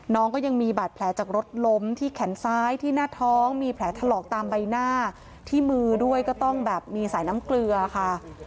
น้องก็ยังมีบาดแผลจากรถล้มที่แขนซ้ายที่หน้าท้องมีแผลถลอกตามใบหน้าที่มือด้วยก็ต้องแบบมีสายน้ำเกลือค่ะ